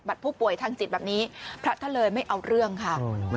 ผู้ป่วยทางจิตแบบนี้พระท่านเลยไม่เอาเรื่องค่ะ